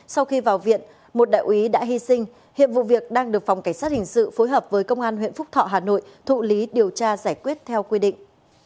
sau khi vào viện một đại úy đã hy sinh hiệp vụ việc đang được phòng cảnh sát hình sự phối hợp với công an huyện phúc thọ hà nội thụ lý điều tra giải quyết theo quy định